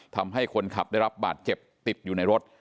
ทำให้คนขับได้รับบาดเจ็บติดอยู่ในรถ